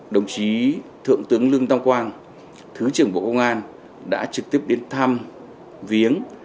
đồng chí thượng tướng lương tam quang thứ trưởng bộ công an đã trực tiếp đến thăm viếng